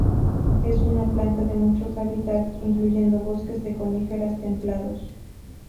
Es una planta de muchos hábitats, incluyendo bosques de coníferas templados.